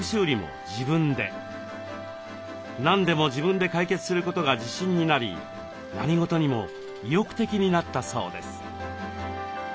何でも自分で解決することが自信になり何事にも意欲的になったそうです。